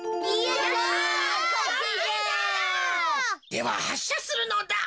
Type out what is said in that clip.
でははっしゃするのだ。